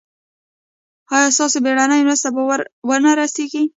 ایا ستاسو بیړنۍ مرسته به ور نه رسیږي؟